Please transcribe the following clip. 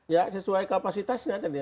ya sesuai kapasitasnya tadi